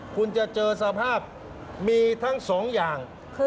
คุณจะเจอสภาพมีทั้งสองอย่าง